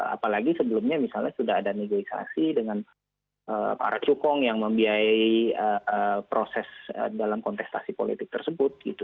apalagi sebelumnya misalnya sudah ada negosiasi dengan para cukong yang membiayai proses dalam kontestasi politik tersebut gitu